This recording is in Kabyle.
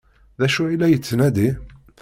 D acu ay la yettnadi?